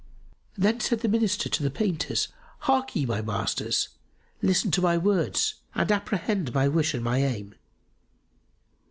Then said the Minister to the painters, "Harkye, my masters, listen to my words and apprehend my wish and my aim.